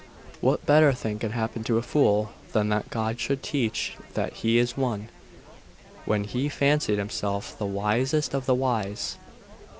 'What better thing can happen to a fool, than that God should teach that he is one, when he fancied himself the wisest of the wise?